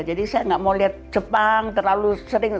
jadi saya nggak mau lihat jepang terlalu sering